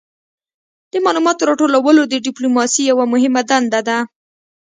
د معلوماتو راټولول د ډیپلوماسي یوه مهمه دنده ده